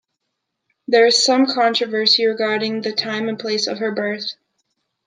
There is some controversy regarding the time and place of her birth.